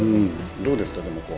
どうですかこう。